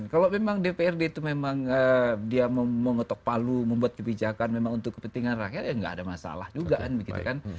kalau memang dprd itu memang dia mau ngetok palu membuat kebijakan memang untuk kepentingan rakyat ya nggak ada masalah juga kan begitu kan